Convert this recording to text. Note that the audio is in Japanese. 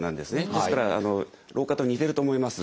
ですから老眼と似てると思います。